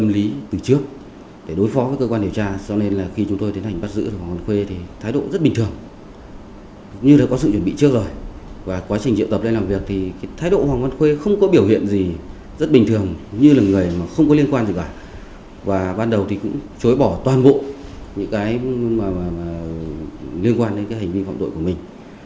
liên quan đến hành vi phạm tội của mình